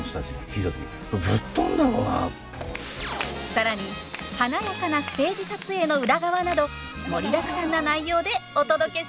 更に華やかなステージ撮影の裏側など盛りだくさんな内容でお届けします！